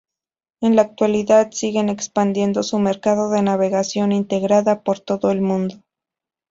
En la actualidad siguen expandiendo su mercado de navegación integrada por todo el mundo.